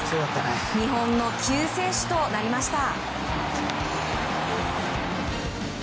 日本の救世主となりました。